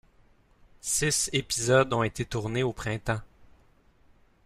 Six épisodes ont été tournés au printemps.